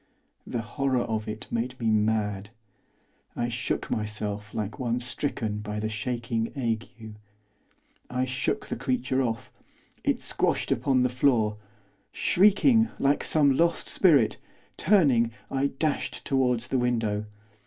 The horror of it made me mad. I shook myself like one stricken by the shaking ague. I shook the creature off. It squashed upon the floor. Shrieking like some lost spirit, turning, I dashed towards the window.